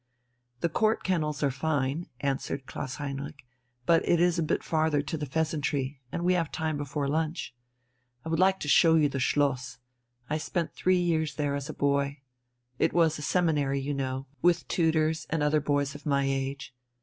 "The Court Kennels are fine," answered Klaus Heinrich, "but it is a bit farther to the 'Pheasantry,' and we have time before lunch. I should like to show you the Schloss. I spent three years there as a boy. It was a seminary, you know, with tutors and other boys of my age.